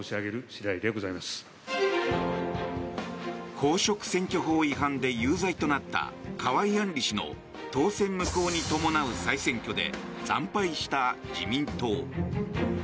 公職選挙法違反で有罪となった河井案里氏の当選無効に伴う再選挙で惨敗した自民党。